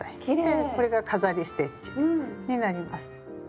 でこれが飾りステッチになります。